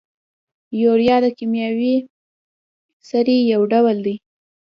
یوریا د کیمیاوي سرې یو ډول دی.